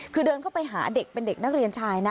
คือเดินเข้าไปหาเด็กเป็นเด็กนักเรียนชายนะ